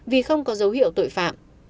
vì không có dấu hiệu tội phạm